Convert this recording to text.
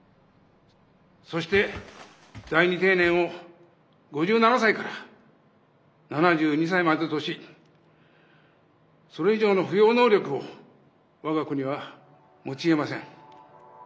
そして第二定年を５７歳から７２歳までとし、それ以上の扶養能力を我が国は持ちえません。